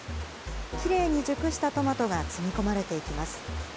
きれいに熟したトマトが積み込まれていきます。